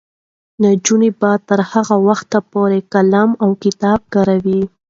نجونې به تر هغه وخته پورې قلم او کتابچه کاروي.